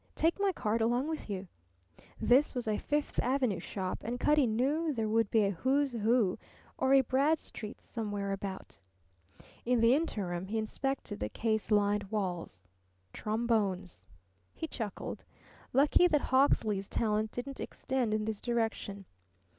"Take my card along with you." This was a Fifth Avenue shop, and Cutty knew there would be a Who's Who or a Bradstreet somewhere about. In the interim he inspected the case lined walls. Trombones. He chuckled. Lucky that Hawksley's talent didn't extend in this direction.